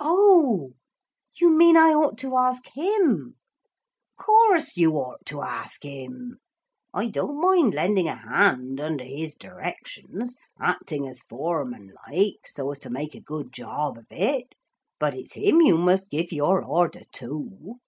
'Oh, you mean I ought to ask him?' ''Course you ought to ask him. I don't mind lending a hand under his directions, acting as foreman like, so as to make a good job of it. But it's him you must give your order to.'